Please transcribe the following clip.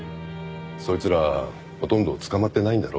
そいつらほとんど捕まってないんだろ？